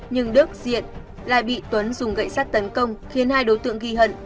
nhưng đức diện lại bị tuấn dùng gậy sắt tấn công khiến hai đối tượng ghi hận